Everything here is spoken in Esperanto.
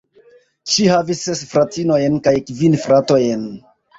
Ŝi havis ses fratinojn kaj kvin fratojn.